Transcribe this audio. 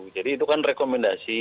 jadi itu kan rekomendasi